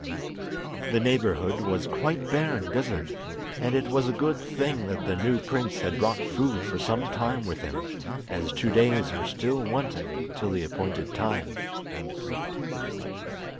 The neighbourhood was quite bare and desert, and it was a good thing that the new prince had brought food for some time with him, as two days were still wanting till the appointed time.